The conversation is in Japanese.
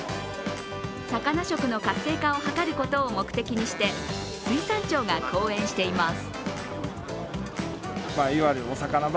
魚食の活性化を図ることを目的にして水産庁が後援しています。